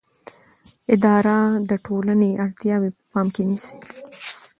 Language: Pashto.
اداره د ټولنې اړتیاوې په پام کې نیسي.